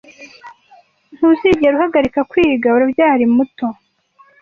ntuzigera uhagarika kwiga uravyari muto